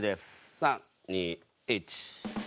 ３２１。